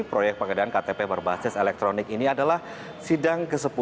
proyek pengadaan ktp berbasis elektronik ini adalah sidang ke sepuluh